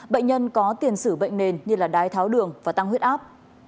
bệnh nhân có tiền xử bệnh nền như đai tháo đường và tăng huyết áp